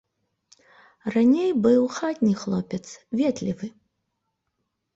Раней быў хатні хлопец, ветлівы.